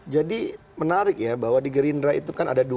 jadi menarik ya bahwa di gerindra itu kan ada dua badan